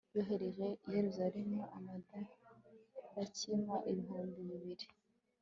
yohereza i yeruzalemu amadarakima ibihumbi bibiri